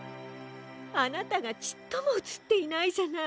あなたがちっともうつっていないじゃない。